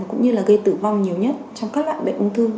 cũng như là gây tử vong nhiều nhất trong các loại bệnh ung thư